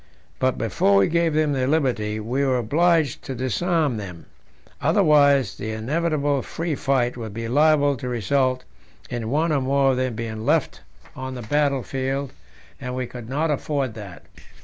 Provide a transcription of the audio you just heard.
But before we gave them their liberty we were obliged to disarm them, otherwise the inevitable free fight would be liable to result in one or more of them being left on the battle field, and we could not afford that.